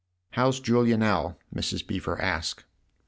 " How's Julia now ?" Mrs. Beever asked.